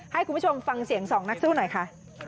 ให้คุณผู้ชมฟังเสียง๒นักสู้หน่อยค่ะ